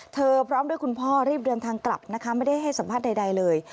พร้อมด้วยคุณพ่อรีบเดินทางกลับนะคะไม่ได้ให้สัมภาษณ์ใดเลย